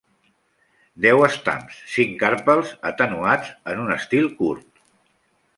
Deu estams, cinc carpels, atenuats en un estil curt.